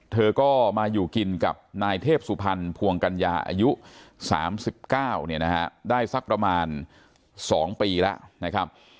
เธอก็มาอยู่กินกับนายเทพสุพรรณภวงกัญญาอายุ๓๙ได้สักประมาณ๒ปีแล้วนะครับ